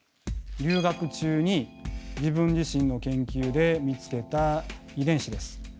留学中に自分自身の研究で見つけた遺伝子です。